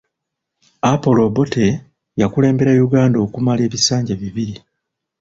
Apollo Obote yakulembera Uganda okumala ebisanja bibiri.